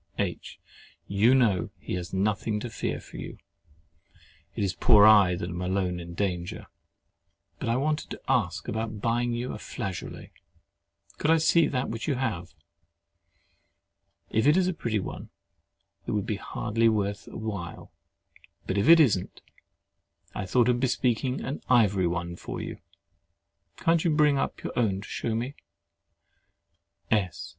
H. You know he has nothing to fear for you—it is poor I that am alone in danger. But I wanted to ask about buying you a flageolet. Could I see that which you have? If it is a pretty one, it would hardly be worth while; but if it isn't, I thought of bespeaking an ivory one for you. Can't you bring up your own to shew me? S.